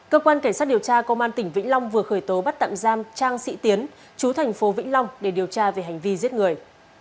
cơ quan cảnh sát điều tra công an tỉnh vĩnh long vừa khởi tố bắt tạm giam trang sĩ tiến chú thành phố vĩnh long để điều tra về hành vi giết người